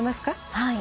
はい。